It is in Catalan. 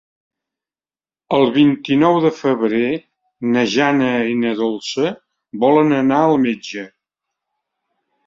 El vint-i-nou de febrer na Jana i na Dolça volen anar al metge.